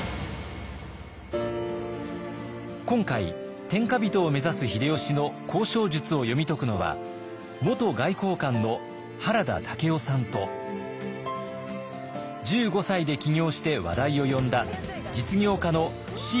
今回天下人を目指す秀吉の交渉術を読み解くのは元外交官の原田武夫さんと１５歳で起業して話題を呼んだ実業家の椎木里佳さんです。